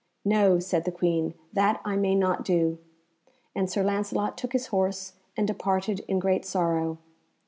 "No," said the Queen, "that I may not do," and Sir Lancelot took his horse and departed in great sorrow.